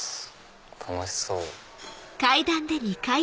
楽しそう。